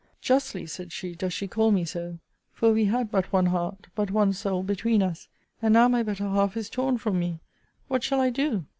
Justly, said she, does she call me so; for we had but one heart, but one soul, between us; and now my better half is torn from me What shall I do?